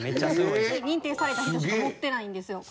認定された人しか持ってないんですよ。